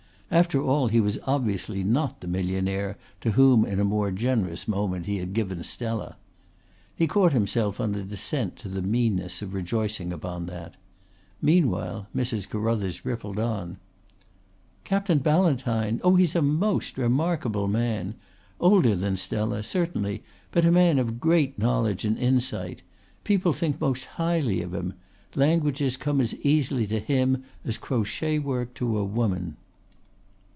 After all he was obviously not the millionaire to whom in a more generous moment he had given Stella. He caught himself on a descent to the meanness of rejoicing upon that. Meanwhile Mrs. Carruthers rippled on. "Captain Ballantyne? Oh, he's a most remarkable man! Older than Stella, certainly, but a man of great knowledge and insight. People think most highly of him. Languages come as easily to him as crochet work to a woman."